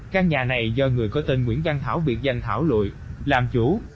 căn nhà này do người có tên nguyễn văn thảo biệt danh thảo lụi làm chủ